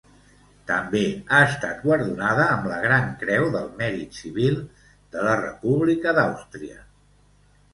També ha estat guardonada amb la Gran Creu del Mèrit Civil de la República d'Àustria.